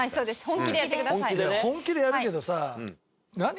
本気でやるけどさ。